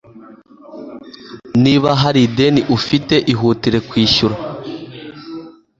niba hari ideni ufite ihutire kwishyura